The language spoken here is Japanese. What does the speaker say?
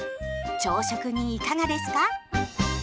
朝食にいかがですか？